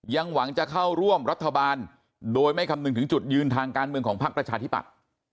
หวังจะเข้าร่วมรัฐบาลโดยไม่คำนึงถึงจุดยืนทางการเมืองของพักประชาธิปัตย์